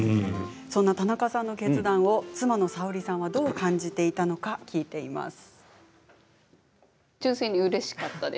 そんな田中さんの決断を妻の沙織さんはどう感じていたのか聞いています。